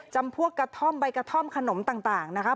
จำพวกกระท่อมใบกระท่อมขนมต่างนะคะ